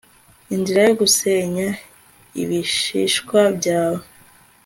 Inzira yo gusenya ibishishwa byawe